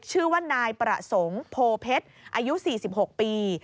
ชื่อว่านายประสงค์โพเพชรอายุ๔๖ปี